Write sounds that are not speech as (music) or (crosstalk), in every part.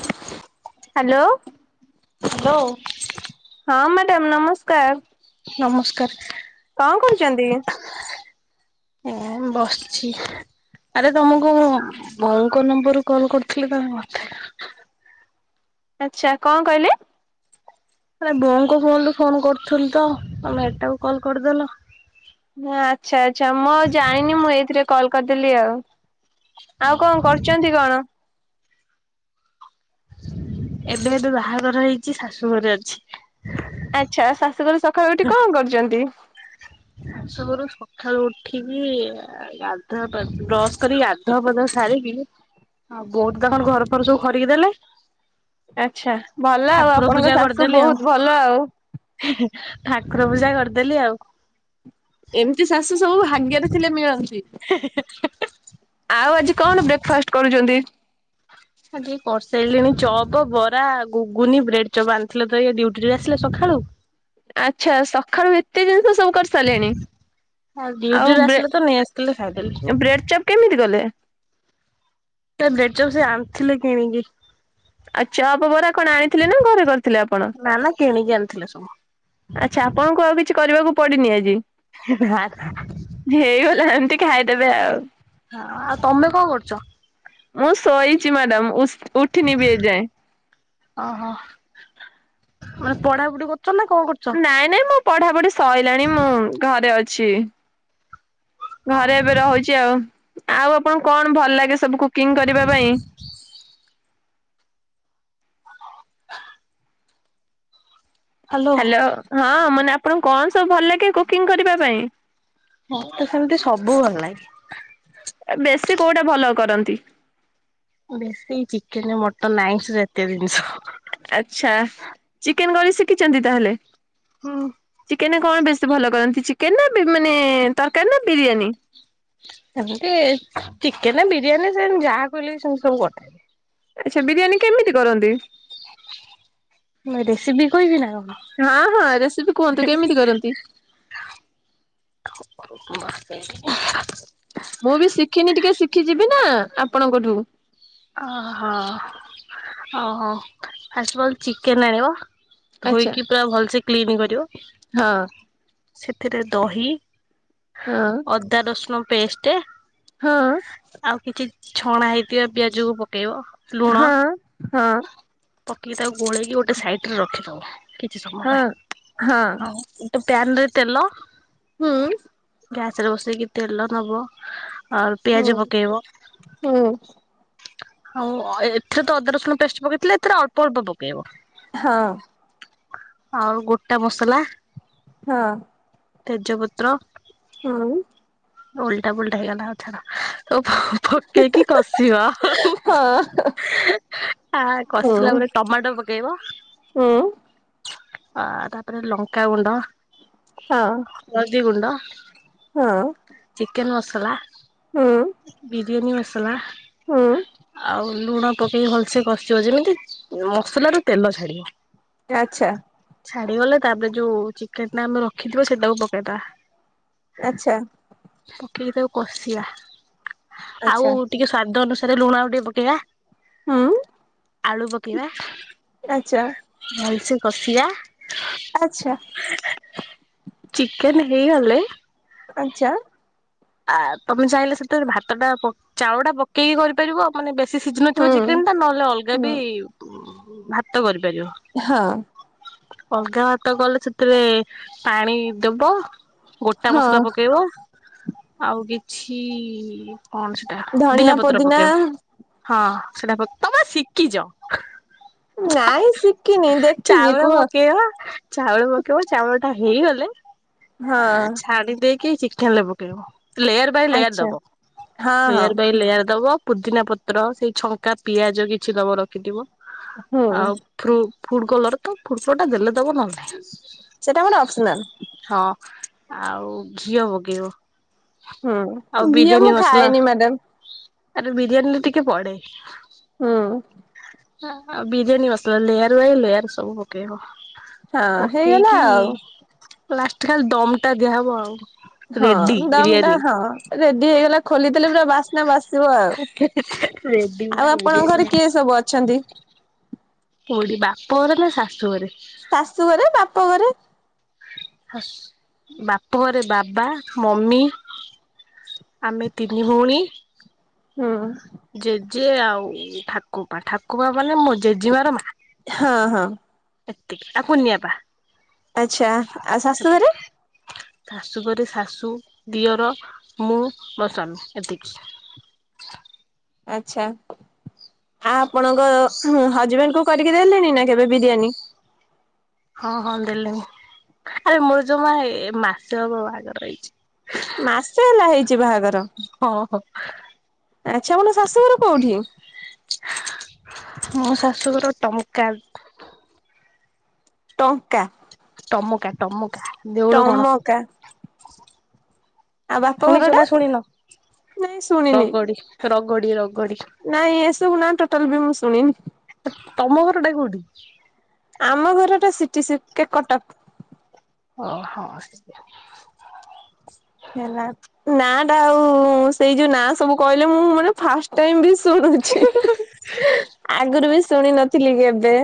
(unintelligible) Hello. Hello. ହଁ, madam ନମସ୍କାର। ନମସ୍କାର। କଣ କରୁଛନ୍ତି? ଏ ବସିଛି। ଆରେ ତମୁକୁ ବୋଉଙ୍କ ନମ୍ବରରୁୁ କଲ କରୁଥିଲି ତମେ (unintelligible) ଆଚ୍ଛା। କଣ କହିଲେ? ଆରେ ବୋଉଙ୍କ ଫୋନରୁ ଫୋନ କରୁଥିଲି ତ ତମେ ଏଟାକୁ କଲ କରିଦେଲ। କଲ କରିଦେଲି ଆଉ। ଆଉ କଣ କରୁଚନ୍ତି କଣ? ଏବେ ଏବେ ବାହାଘର ହେଇଛି ଶାଶୁ ଘରେ ଅଛି। ଆଚ୍ଛା ଶାଶୁଘରୁ ସଖାଳୁ ଉଠି କଣ କରୁଛନ୍ତି? ଶାଶୁ ଘରୁ ସଖାଳୁ ଉଠିକି ଆ ଗାଧୁଆ ପାଧୁ ବ୍ରଶ କରି ଗାଧୁଆ ପାଧୁଆ ସାରି କି ଆଉ ବୋଉ ତ ତାଙ୍କର ଘରଫର ସବୁ ଖରିକି ଦେଲେ ଆଚ୍ଛା ଭଲ ଆଉ ଠାକୁର ଆପଣଙ୍କ ପୂଜା ଶାଶୁ କରିଦେଲି ଆଉ ବହୁତ ଭଲ ଆଉ। ଠାକୁର ପୂଜା କରିଦେଲି ଆଉ। ଏମିତି ଶାଶୁ ସବୁ ଭାଗ୍ୟରେ ଥିଲେ ମିଳନ୍ତି। (unintelligible) ଆଉ ଆଜି କଣ ବ୍ରେକଫାଷ୍ଟ କରୁଚନ୍ତି? ଆଜି କରିସାରିଲିଣି ଚପ, ବରା, ଗୁଗୁନି, ବ୍ରେଡଚପ ଆଣିଥିଲେ ତ ଇଏ ଡି ଡିଉଟି ରୁ ଆସିଲେ ସଖାଳୁ? ଆଚ୍ଛା ସଖାଳୁ ଏତେ ଜିନିଷ ସବୁ କରି ସାରିଲେଣି। ଡ୍ୟୁଟିରୁ ଆଉ ଆସିଲେ ତ ନେଇ ଆସିଥିଲେ ଖାଇଦେଲି। ବ୍ରେ ବ୍ରେଡଚପ କେମିତି କଲେ? ସେ ବ୍ରେଡଚପ ସେ ଆଣିଥିଲେ କିଣିକି। ଆଉ ଚପ, ବରା କଣ ଆଣିଥିଲେ ନା ଘରେ କରିଥିଲେ ଆପଣ? ନା ନା କିଣିକି ଆଣିଥିଲେ ସବୁ। ଆଚ୍ଛା ଆପଣଙ୍କୁ ଆଉ କିଛି କରିବାକୁ ପଡିନି ଆଜି। ହ (unintelligible) ଟିକେ ଖାଇଦେବେ ଆଉ। ହଁ ଆଉ ତମେ କଣ କରୁଚ? ମୁଁ ଶୋଇଚି ମ୍ୟାଡାମ ମୁଁ ସୋ ଉ ଉଠିନି ବି ଏଯାଏଁ। ଓହୋ ମାନେ ପଢାପଢି କରୁଛ ନା କଣ କରୁଚ? ନାଇଁ ନାଇଁ ମୋ ପଢାପଢି ସଇଲାଣି ମୁଁ ଘରେ ଅଛି। ଘରେ ଏବେ ରହୁଛି ଆଉ ଆଉ ଆପଣଙ୍କୁ କଣ ଭଲ ଲାଗେ ସବୁ କୁ କୁକିଂ କରିବା ପାଇଁ? ହ୍ୟାଲୋ ହଁ ମାନେ ଆପଣଙ୍କୁ କଣ ସବୁ ଭଲ ଲାଗେ କୁକିଂ କରିବା ପାଇଁ? ମୋତେ ସେମିତି ସବୁ ଭଲ ଲାଗେ। ଏ ବେଶୀ କୋଉଟା ଭଲ କରନ୍ତି? ବେଶୀ ଚିକେନ ମଟନ୍ ଆଇଁଶ ଆଛା ଚିକେନ କରି ଶିଖିଛନ୍ତି ତାହେଲେ? ହଁ। କେନ କଣ ବେଶୀ ଭଲ କରନ୍ତି ଚିକେନ ନା ବି ମାନେ ତରକାରୀ ନା ବିରିୟାନୀ? ସେମିତି ଚିକେନ ବିରିୟାନୀ ସେମ୍ ଯାହା କହିଲେ ସେମତି ସବୁ କରିଦେବି। ଆଚ୍ଛା ବିରିୟାନୀ କେମିତି କରନ୍ତି? ମୁଁ ରେସିପି କହିବି ନା କଣ? ହଁ ହଁ ରେସିପି କୁହନ୍ତୁ କେମିତି କରନ୍ତି? (unintelligible) ମସ୍ତ (inaudible) ମୁଁ ବି ଶିଖିନି ଟିକେ ଶିଖି ଯିବି ନା ଆପଣଙ୍କଠୁ। ଓହୋ ଓହୋ ଫାଷ୍ଟ ଫଲ ଚିକେନ ଆଣିବ ଆଚ୍ଛା ଧୋଇକି ପୁରା ଭଲସେ କ୍ଲିନ କରିବ ହଁ। ସେଥିରେ ଦହି ହଁ ଅଦା ରସୁଣ ପେଷ୍ଟ ହଁ। ଆଉ କିଛି ଛଣା ହେଇଥିବ ପିଆଜ କୁ ପକେଇବ ଲୁଣ ହଁ ହଁ। ପକେଇକି ତାକୁ ଗୋଳେଇକି ଗୋଟେ ସାଇଡ ରେ ରଖିଦବ କିଛି ସମୟ ପାଇଁ ହଁ ହଁ ଆଉ ଗୋଟେ ପ୍ୟାନରେ ତେଲ ହଁ। ଗ୍ୟାସ ରେ ବସେଇକି ତେଲ ନବ ଆଉ ହୁଁ ପିଆଜ ପକେଇବ ହୁଁ ଆଉ ଅ ଏ ଏଥିରେ ତ ଅଦା ରସୁଣ ପେଷ୍ଟ ପକେଇଥିଲେ ଏଥିରେ ଅଳ୍ପ ଅଳ୍ପ ପକେଇବ ହଁ। ଆଉ ଗୋଟା ମସଲା ହଁ। ତେଜପତ୍ର ହଁ। ଓଲଟା ପୋଲଟା ହେଇଗଲା ଆଉ ଛାଡ଼ ଓ ପ ପକେଇକି କଷିବ ହଁ ଆ କଷିଲା ପରେ ଟମାଟୋ ପକେଇବ। ଉଁ। ଆ ତାପରେ ଲଙ୍କା ଗୁଣ୍ଡ ହଁ ହଳଦୀ ଗୁଣ୍ଡ। ହଁ ଚିକେନ ମସଲା ହୁଁ ବିରିୟାନୀ ମସଲା। ହୁଁ ଆଉ ଲୁଣ ପକେଇ ଭଲସେ କ ଚିବ ଯେମିତି ମସଲା ରୁ ତେଲ ଛାଡିବ। ଆଚ୍ଛା। ଛାଡିଗଲେ ତାପରେ ଯୋଉ ଚିକେନ ଟା ଆମେ ରଖିଥିବ ସେଟାକୁ ପକେଇଦବା। ଆଚ୍ଛା। ପକେଇକି ତାକୁ କଷିବା ଆଚ୍ଛା ଆଉ ଟିକେ ସ୍ଵାଦ ଅନୁସାରେ ଲୁଣ ଆଉ ଟିକେ ପକେଇବା। ହୁଁ ଆଳୁ ପକେଇବା। ଆଚ୍ଛା। ଭଲସେ କଷିଆ। ଆଚ୍ଛା। ଚିକେନ ହେଇଗଲେ। ଆଚ୍ଛା। ଆ ତମେ ଚାହିଁଲେ ସେଥିରେ ଭାତ ଟା ପ ଚାଉଳ ଟା ପକେଇକି କରିପାରିବ ମାନେ ବେ ଶି ସିଝି ନଥିବ ହୁଁ ଚିକେନ ଟା ନହେଲେ ଅଲଗା ହୁଁ ବି ଉଁ ଭାତ କରିବ ହଁ। ଅଲଗା ଭାତ କଲେ ସେଥିରେ ପାଣି ଦବ ଗୋଟା ହଁ ମସଲା ପକେଇବ। ଆଉ କିଛି କଣ ସେଟା ପୋଦିନା ପତ୍ର ପକେଇବ ହଁ। ସେଟା ପ ତମେ ଶିଖିଚ। ନାଇଁ ଶିଖିନି ଦେଖିଛି ଚାଉଳ କୁହ। ପକେଇବ ଚାଉଳ ପକେଇବ ଚାଉଳ ଟା ହେଇଗଲେ ହଁ ଆ ଛାଣି ଦେଇକି ଚିକେନ ଲେ ପକେଇଦବ। ଲେୟାର ବାଇ ଲେୟାର ଆଚ୍ଛା ଦବ ହଁ ହଁ ଲେୟାର ବାଇ ଲେୟାର ଦବ। ପୁଦିନା ପତ୍ର ସେଇ ଛଙ୍କା ପିଆଜ କିଛି ଦବ ରଖିଥିବ ଆଉ ଫ୍ରୁ ଫୁଡ କଲର ତ ଫୁଡ କଲର ଟା ଦେଲେ ଦବ ନହେଲେ ନାଇ। ସେଟା ଗୋଟେ ଅପସନାଲ। ଆଉ ଘିଅ ପକେଇବ। ଆଉ ହୁଁ ଘିଅ ବିରିୟାନୀ ମୁଁ ମସଲା ଖାଏନି ମ୍ୟାଡାମ। ଆରେ ବିରିୟାନି ରେ ଟିକେ ପଡେ। ହୁଁ ହଁ ଆଉ biryani masala layer by layer ସବୁ ପକେଇବ। ହଁ ହେଇଗଲା ପକେଇକି ଆଉ। ଲାଷ୍ଟ କୁ ଖାଲି ଦମ ଟା ଦିଆହେବ ଆଉ। ହଁ ରେଡି ଦମ ଟା ବିରିୟାନୀ ହଁ ରେଡି ହେଇଗଲା ଖୋଲିଦେଲେ ପୁରା ବାସ୍ନା ବାସ ସିବ ଆଉ। ଆଉ ଆପଣଙ୍କ ଘରେ କିଏ ସବୁ ଅଛନ୍ତି? କୋଉଠି ବାପଘରେ ନା ଶାଶୁଘରେ। ଶାଶୁ ଘରେ ବାପ ଘରେ। ଶାଶ ବାପ ଘରେ ବାବା ମମି। ଆମେ ତିନି ଭଉଣୀ। ହୁଁ। ଯିଏ ଆଉ ଠାକୁପା ଠାକୁପା ମାନେ ମୋ ଜେଜେମାର ମା। ହଁ ହଁ। ଏତିକି ଆଉ କୁନିଆପା। ଆଚ୍ଛା ଆଉ ଶାଶୁ ଏତିକି ଘରେ। ଶାଶୁ ଘରେ ଶାଶୁ ଦିଅର। ମୁଁ ମୋ ସ୍ୱାମୀ ଏତିକି। ଆଚ୍ଛା। ଆପଣଙ୍କ ଉଁ ହଜବେଣ୍ଡ କୁ କରିକି ଦେଲେଣି ନା କେବେ ବିରିୟାନୀ। ହଁ ହଁ ଦେଲିଣି ଆରେ ମୋର ଜମା ଏ ମାସେ ହବ ବାହାଘର ହେଇଚି। ମାସ ହେଲା ହେଇଛି ବାହାଘର। ହଁ ଆଚ୍ଛା ମୋର ଶାଶୁଘର କୋଉଠି? ମୋ ଶାଶୁଘର ଟଙ୍କା। ଟଙ୍କା। ଟମକା ଟମ ଟମକା। ଆଉ ବାପ ଘର ଶୁଣିଛ ଟା? ନାଁ ଶୁଣିନ ନାଇଁ ଶୁଣିନି ରଗଡି ରଗଡି ରଗ ନାଇଁ ଏସବୁ ନାଁ ଟୋଟାଲି ବି ମୁଁ ଶୁଣିନି। ତମ ଘରଟା କୋଉଠି? ଆମ ଘର ଟା ସିଟି ସି କଟକ। ଓ ହଁ (inaudible) ହେଲା ନାଟା ଆଉ ସେଇ ଯୋଉ ନାଁ ସବୁ କହିଲେ ମୁଁ ଫାଷ୍ଟ ଟାଇମ୍ ବି ଶୁଣୁଛି (inaudible) ଆଗରୁ ବି ଶୁଣି ନଥିଲି କେବେ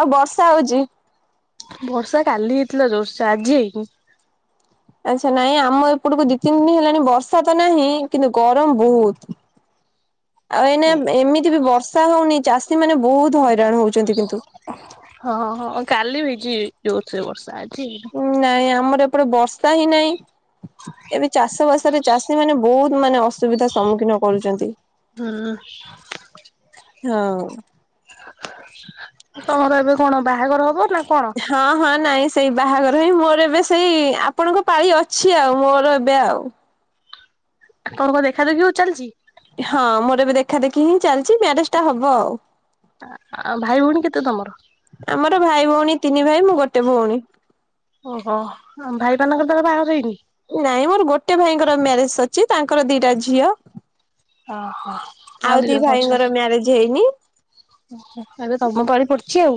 ଆଉ ବର୍ଷା ହଉଛି। ବର୍ଷା କାଲି ହେଇଥିଲା ଜୋରସେ ଆଜି ହେଇନି। ଆଛା ନାଇଁ ଆମ ଏପଟକୁ ଦି ତିନି ଦିନ ହେଲାଣି ବର୍ଷା ତ ନାହିଁ କିନ୍ତୁ ଗରମ ବହୁତ। (inaudible) ଆଉ ଏଇନା ଏମିତି ବି ବର୍ଷା ହଉନି ଚାଷୀ ମାନେ ବହୁତ ହଇରାଣ ହଉଛନ୍ତି କିନ୍ତୁ ହଁ ହଁ କାଲିବି ହେଇଛି ଯୋରସେ ବର୍ଷା ଆଜି ହେଇନି। ନାଇଁ ଆମର ଏପଟେ ବର୍ଷା ହିଁ ନାହିଁ ଏବେ ଚାଷ ବାସରେ ଚାଷୀ ମାନେ ବହୁତ ମାନେ ଅସୁବିଧା ସମ୍ମୁଖୀନ କରୁଛନ୍ତି। ହୁଁ। ହଁ ତମର ଏବେ କଣ ବାହାଘର ହବ? ନା କଣ ତମର ହଁ ହଁ ନାଇଁ ସେଇ ବାହାଘର ହେଇ ମୋର ଏବେ ସେଇ ଆପଣଙ୍କ ପାଳି ଅଛି ଆଉ ମୋର ଏବେ ଆଉ ତମର କଣ ଦେଖା ଦେଖି ଚାଲିଛି ହଁ ମୋର ଏବେ ଦେଖା ଦେଖି ହିଁ ଚାଲିଛି ମ୍ୟାରେଜ ଟା ହବ। ଆଉ ଭାଇ ଭଉଣୀ କେତେ ତମର? ଆମର ଭାଇ ଭଉଣୀ ତିନି ଭାଇ ମୁଁ ଗୋଟେ ଭଉଣୀ। ଓହୋ ଭାଇମାନଙ୍କର ତାହେଲେ ବାହାଘର ହେଇନି? ନାଇଁ ମୋର ଗୋଟେ ଭାଇଙ୍କର ମ୍ୟାରେଜ ସରିଛି ତାଙ୍କର ଦିଟା ଝିଅ। ଓ ହୋ। ଆଉ ଦି ଭାଇଙ୍କର ମ୍ୟାରେଜ ହେଇନି। ଏବେ ତମ ପାଳି ପଡିଛି ଆଉ।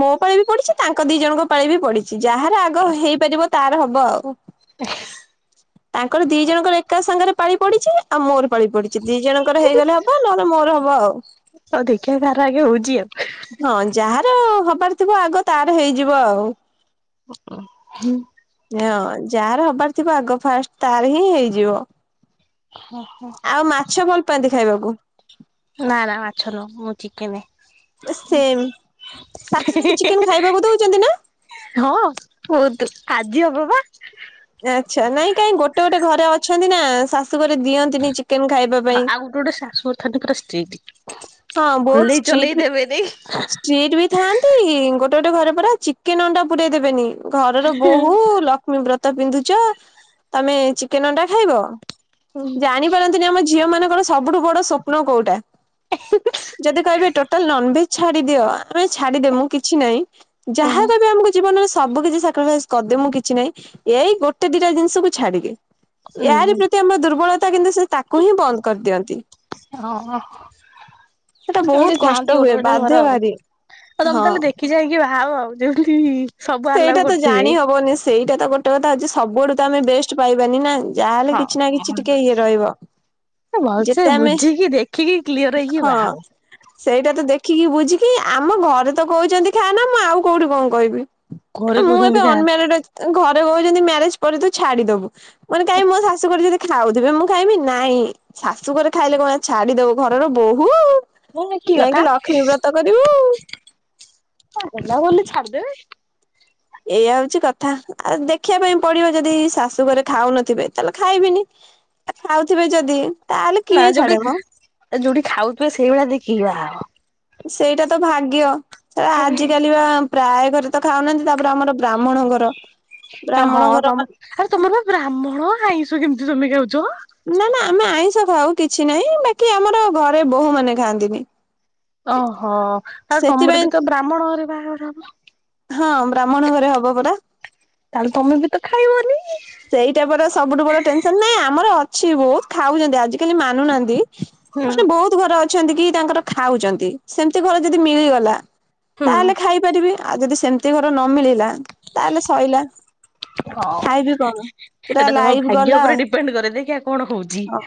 ମୋ ପରେ ବି ପଡିଛି ତାଙ୍କ ଦି ଜଣଙ୍କ ପାଳି ବି ପଡିଛି ଯାହାର ଆଗ ହେଇପାରିବ ତାର ହବ ଆଉ (inaudible) ତାଙ୍କର ଦି ଜଣଙ୍କର ଏକା ସାଙ୍ଗରେ ପାଳି ପଡିଛି ଆଉ ମୋର ପାଳି ପଡିଛି ଦି ଜଣଙ୍କର ହେଇଗଲେ ହବ ନହେଲେ ମୋର ହବ ଆଉ ହଉ ଦେଖିବା କାର ଆଗେ ହଉଛି ଆଉ ହଁ ଯାହାର ହବାର ଥିବ ଆଗ ତାର ହେଇଯିବ ଆଉ। ଓ ହୁଁ। ଯାହାର ହବାର ଥିବ ଆଗ ଫାଷ୍ଟ ତାର ହିଁ ହେଇଯିବ। ଆଉ ମାଛ ଭଲ ପାଆନ୍ତି ଖାଇବାକୁ? ନାଁ ନାଁ ମାଛ ନୁହେଁ ମୁଁ ଚିକେନେ। ସେମ୍। ଶାଶୁଘରେ ଚିକେନ ଖାଇବାକୁ (unintelligible) ଦଉଛନ୍ତି ନା? (unintelligible) ହଁ ହୁଅନ୍ତୁ ଆଜି ହବ ବା ଆଚ୍ଛା ନାଇଁ କାଇଁ ଗୋଟେ ଗୋଟେ ଘରେ ଅଛନ୍ତି ନା ଶାଶୁ ଘରେ ଦିଅନ୍ତିନି ଚିକେନ ଖାଇବା ଆଉ ପାଇଁ। ଗୋଟେ ଗୋଟେ ଶାଶୁୁଘରଥାନ୍ତି ପୁରା ସ୍ତିଟି। ହଁ ବହୁତ ଷ୍ଟିଟ ବି ଥାନ୍ତି ଗୋଟେ ଗୋଟ ଗୋଟେ ଘରେ ପୁରା ଚିକେନ ଅଣ୍ଡା ପୁରେଇ ଦେବେନି ଘର ବୋହୂ ଲକ୍ଷ୍ମୀ ବ୍ରତ ପିନ୍ଧୁଛ ତମେ ଚିକେନ ଅଣ୍ଡା ଖାଇବ ହୁଁ ଜାଣିପାରନ୍ତିନି ଆମ ଝିଅ ମାନେ କଣ ସବୁଠୁ ବଡ ସ୍ୱପ୍ନ କୋଉଟା ଯଦି କହିବେ ଟୋଟାଲ ନନଭେଜ ଛାଡି ଦିଅ ଆମେ ଛାଡିଦମୁ କିଛି ନାହିଁ ହୁଁ ଯାହାଦେବେ ଆମକୁ ଜୀବନରେ ସବୁ କିଛି ସାକ୍ରିଫାଇଜ୍ କରିଦେବି ମୁଁ କିଛି ନାହିଁ ଏଇ ଗୋଟେ ଦିଟା ଜିନିଷକୁ ଛାଡିକି ୟାରି ପ୍ରତି ଆମର ଦୁର୍ବଳତା କିନ୍ତୁ ସେ ତାକୁ ହିଁ ବନ୍ଦ କରିଦିଅନ୍ତି। ସେଟା ବହୁତ ସେମିତି କଷ୍ଟ ଥାଆନ୍ତି ଗୋଟେ ହୁଏ ଗୋଟେ ବାଧେ ଘର ଆଉ ଭାରି ଆଉ ତମେ ହଁ। ତାହେଲେ ଦେଖିଛାହିକି ବା ଆଉ ଆଉ ଯଉଠି ଇ ସେଇଟା ତ ଜାଣି ହବନି ସେଇଟା ତ ଗୋଟେ କଥା ହଉଛି ସବୁ ଆଡୁ ତ ଆମେ ବେଷ୍ଟ ପାଇବାନି ନା। ଯାହାହେଲେ ହଁ କିଛି ନା କିଛି ଟିକେ ଇଏ ରହିବ ଭଲସେ ଯେତେ ଆମେ ବୁଝିକି ଦେଖିକି କ୍ଲିୟର ହେଇକି ହଁ ବାହା ହୁଅ ସେଇଟା ତ ଦେଖ ଦେଖିକି ବୁଝିକି ଆମ ଘରେ ତ କହୁଛନ୍ତି ଖାନା ମୁଁ ଆଉ କୋଉଠି କଣ କହିବି? ଘରେ ମୁଁ କହୁଛନ୍ତି ଏବେ କାଁ ଅନମାରଡ ଅଛି ଘରେ କହୁଛନ୍ତି ମ୍ୟାରେଜ ପରେ ତୁ ଛାଡିଦବୁ ମାନେ କାଇଁ ମୋ ଶାଶୁ ଘରେ ଯଦି ଖାଉଥିବେ ମୁଁ ଖାଇବିନି ନାଇଁ ଶାଶୁଘରେ ଖାଇଲେ କଣ ଛାଡି ଦବୁ ଘରର ବୋହୂ। ମୁଁ କି କଥା ଲକ୍ଷ୍ମୀ ବ୍ରତ କରିବୁ। ହେଲା ବୋଲି ଛାଡ଼ି ଛାଡି ଦେବି। ଏଇଆ ହଉଛି କଥା ଆଉ ଦେଖିବା ପାଇଁ ପଡିବ ଯଦି ଶାଶୁ ଘରେ ଖାଉନଥିବେ ତାହେଲେ ଖାଇବିନି। ଆ ଖାଉଥିବେ ଯଦି ତାହେଲେ ନା କିଏ ଛାଡେ ମ ଯୋଉଠି-ଯୋଉଠି ଖାଉଥିବେ ସେଇଭଳିଆ ଦେଖିକି ବାହା ହବ। ସେଇଟା ତ ଭାଗ୍ୟ ଶଳା ହୁଅ ଆଜିିକାଲି ବା ପ୍ରାୟ ଘରେ ତ ଖାଉନାହାନ୍ତି ତାପରେ ଆମର ବ୍ରାହ୍ମଣ ଘର। ଏ ବ୍ରାହ୍ମଣ ହଁ ଘର ତମ ମାନେ ଆରେ ତମର ପା ବ୍ରାହ୍ମଣ ଆଇଁଷ କେମିତି ତମେ ଖାଉଛ? ନା ନା ଆମେ ଆଇଁଷ ଖାଉ କିଛି ନାହିଁ ବାକି ଆମର ଘରେ ବୋହୁ ମାନେ ଖାଆନ୍ତିନି। ଅହୋ ତାଲେ ତମର ସେଥିପାଇଁ ବି ତ ବ୍ରାହ୍ମଣ ଘରେ ବାହାଘର ହବ। ହଁ ବ୍ରାହ୍ମଣ ଘରେ ହବ ପରା। ତାହେଲେ ତମେ ବି ତ ଖାଇବନି? ସେଇଟାପରା ସବୁଠୁ ବଡ ଟେନସନ୍ ନାଁ ଆମର ଅଛି ବହୁତ ଖାଉଛନ୍ତି ଆଜିିକାଲି ମାନୁନାହାନ୍ତି। ହୁଁ ମାନେ ବହୁତ ଘର ଅଛନ୍ତି କି ତାଙ୍କର ଖାଉଛନ୍ତି, ସେମିତି ଘର ଯଦି ମିଳିଗଲା ହୁଁ ତାହେଲେ ଖାଇପାରିବି ଆଉ ଯଦି ସେମିତି ଘର ନ ମିଳିଲା ତାହେଲେ ସଇଲା ହଉ ଖାଇବ୍ କଣ, ପୁରା ଏଇଟା ତମ ଲାଇଫ୍ ଭାଗ୍ୟ ଗଲା ଉପରେ ଆଉ, ଡିପେଣ୍ଡ କରେ ଦେଖିଆ କଣ ହଉଛି। ହ।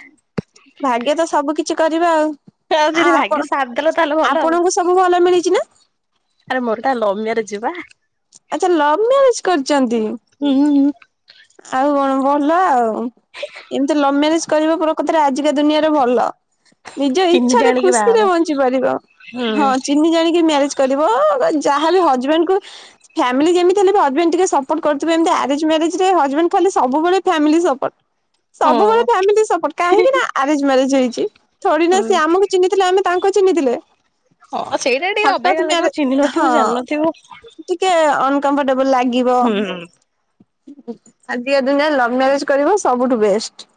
ଭାଗ୍ୟ ତ ସବୁ କିଛି କରିବା ଆଉ। ଆଉ ଯଦି ଭାଗ୍ୟ ଆପ ସାଥ ଦେଲା ତାହେଲେ ଭଲ ଆଉ ଆପଣଙ୍କୁ ସବୁ ଭଲ ମିଳିଚି ନା? ଆରେ ମୋରଟା ଲଭ୍ ମ୍ୟାରଜ୍ ବା। ଆଚ୍ଛା ଲଭ ମ୍ୟାରେଜ କରିଚନ୍ତି? ହୁଁ ଭଲ ଆଉ, ଏମିତି ଲଭ୍ ମ୍ୟାରେଜ୍ କରିବା ପ୍ରକୃତରେ ଆଜିକା ଦୁନିଆରେ ଭଲ। ନିଜ ଚିହ୍ନି ଇଚ୍ଛାରେ, ଜାଣିକି ବାହାହବ ଖୁସିରେ ବଞ୍ଚି ପାରିବ, ହୁଁ ହଁ ଚିହ୍ନି ଜାଣିକି ମ୍ୟାରେଜ୍ କରିବ, ଯାହା ବି ହଜବେଣ୍ଡ କୁ ଫ୍ୟାମିଲି ଯେମିତି ହେଲେ ହଜବେଣ୍ଡ ଟିକେ ସପୋର୍ଟ କରୁଥିବେ ଏମିତି ଆରେଜ୍ ମ୍ୟାରେଜ୍ ସେଇ ହଜଵେନ୍ଟ ଖାଲି ସବୁବେଳେ ଫାମିଲି ସପୋର୍ଟ ହୁଁ ସବୁବେଳେ ଫ୍ୟାମିଲି ସପୋର୍ଟ କାହିଁକି ନା ଆରେଞ୍ଜ୍ ମ୍ୟାରେଜ୍ ହେଇଛି, ଥୋଡିନା ହୁଁ ସେ ଆମକୁ ଚିହ୍ନିଥିଲେ ଆମେ ତାଙ୍କୁ ଚିହ୍ନିଥିଲେ? ହଁ, ସେଇଟା ଟିକେ ହଠାତ୍ ଅଵାଗିଆ ମ୍ୟାରେ ଲାଗିବ ଚିହ୍ନ ହଁ। ନଥିବୁ ଜାଣନଥିବୁ। ଟିକେ ଅନକମ୍ଫର୍ଟେବୁଲ୍ ଲାଗିବ। ହୁଁ ଆଜିକା ଦୁନିଆରେ ଲଭ୍ ମ୍ୟାରେଜ୍ କରିବ ସବୁଠୁ ବେଷ୍ଟ।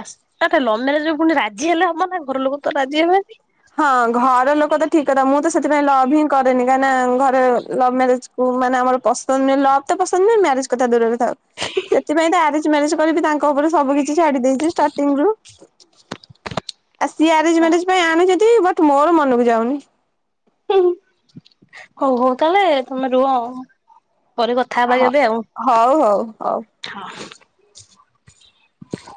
ଆସ ଗୋଟେ ଲଭ୍ ମ୍ୟାରେଜ୍ କୁ ପୁଣି ରାଜି ହେଲେ ହବ ନା। ଘର ଲୋକ ତ ରାଜି ହେବନି। ଘ ଲୋକ ତ ଠିକ୍ କଥା। ମୁଁ ତ ସେଥିପାଇଁ ଲଭ୍ ହିଁ କରେନି। କାହିଁକି ଘରେ ଲଭ୍ ମ୍ୟାରେଜ କୁ ମାନେ ଆମର ପସନ୍ଦ ଲଭ ତ ପସନ୍ଦ ନୁହଁ ମ୍ୟାରେଜ କଥା ଦୂରରେ ଥାଉ। ସେଥିପାଇଁ ତ ଆରେଜ ମ୍ୟାରେଜ କରି ବି ତାଙ୍କ ଉପରେ ସବୁ କିଛି ଛାଡି ଦେଇଛୁ ଷ୍ଟାର୍ଟିଙ୍ଗରୁ। (unintelligible) ସିଏ ଆରେଞ୍ଜ ମ୍ୟାରେଜ ପାଇଁ ଆଣିଛନ୍ତି ବଟ୍ ମୋର ମନକୁ ଯାଉନି। ହୁଁ ହଉ ହଉ ତାହେଲେ ତମେ ରୁହ। ପରେ କଥା ହ ହବା କେବେ ଆଉ ହଉ ହଉ ହଉ। ହଁ।